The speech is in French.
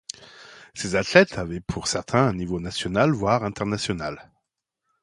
Ces athlètes avaient pour certains un niveau national, voire international.